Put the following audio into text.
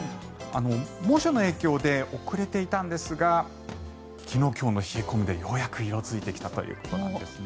猛暑の影響で遅れていたんですが昨日今日の冷え込みでようやく色付いてきたということですね。